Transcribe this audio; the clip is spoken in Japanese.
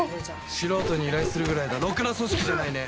素人に依頼するぐらいだろくな組織じゃないね。